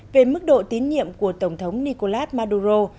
về mức độ tín nhiệm của tổng thống nicolas maduro